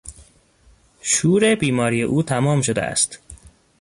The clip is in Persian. شور بیماری او تمام شده است.